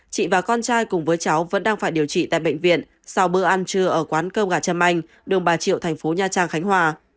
chị và con trai cùng với cháu vẫn đang phải điều trị tại bệnh viện sau bữa ăn trưa ở quán cơm gà trâm anh đường bà triệu thành phố nha trang khánh hòa